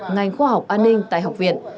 ngành khoa học an ninh tại học viện